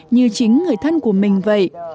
như chính người thân của mình vậy